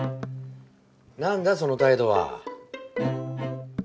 なんだその態度は！